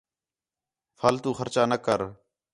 فِالتو خرچہ نہ کر